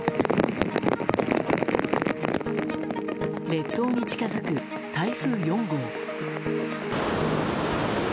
列島に近づく、台風４号。